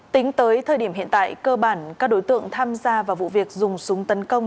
tính tới thời điểm hiện tại cơ bản các đối tượng tham gia vào vụ việc dùng súng tấn công